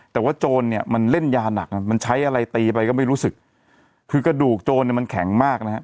แต่ว่าโจรเนี่ยมันเล่นยาหนักมันใช้อะไรตีไปก็ไม่รู้สึกคือกระดูกโจรเนี่ยมันแข็งมากนะฮะ